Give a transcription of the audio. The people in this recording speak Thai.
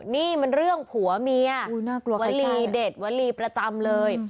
นี่มันเรื่องผัวเมียวลีเด็ดวลีประจำเลย